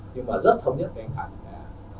nhưng mà rất thống nhất với anh khánh là